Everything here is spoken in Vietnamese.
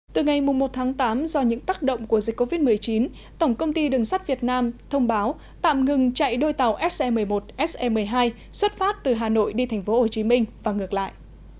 từ ngày một tháng tám do những tác động của dịch covid một mươi chín tổng công ty đường sắt việt nam thông báo tạm ngừng chạy đôi tàu se một mươi một se một mươi hai xuất phát từ hà nội đi tp hcm và ngược lại